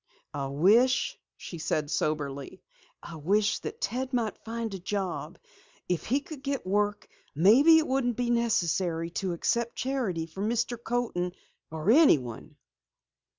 "I wish," she said soberly, "I wish that Ted might find a job. If he could get work, maybe it wouldn't be necessary to accept charity from Mr. Coaten or anyone!"